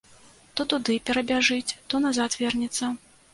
То туды перабяжыць, то назад вернецца.